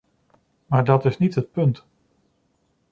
Maar dat is niet het punt.